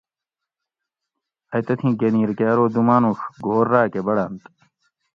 ائی تتھی گھنیر کہ ارو دُو مانوڛ گھر راکہ بڑنت